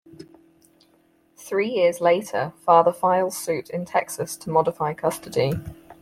Three years later father files suit in Texas to modify custody.